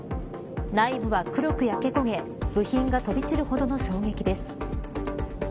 内部は黒く焼けこげ部品が飛び散るほどの衝撃です。